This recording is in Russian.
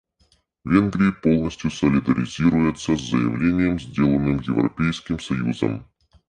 Венгрии полностью солидаризируется с заявлением, сделанным Европейским союзом.